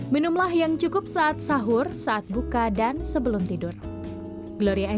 minumlah yang cukup saat sahur saat buka dan sebetulnya